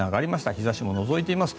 日差しものぞいています。